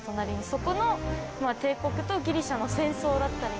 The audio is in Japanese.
そこの帝国とギリシャの戦争だったり。